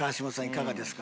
いかがですか？